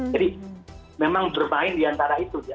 jadi memang bermain diantara itu